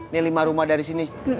ini lima rumah dari sini